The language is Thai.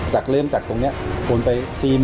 จากเริ่มจากตรงนี้โอนไป๔๐๐๐๐